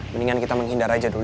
mendingan kita menghindar aja dulu